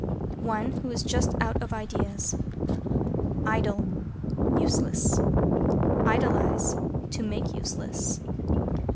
One who is just out of ideas. =IDLE= Useless. =IDOLIZE= To make useless.